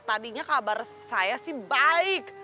tadinya kabar saya sih baik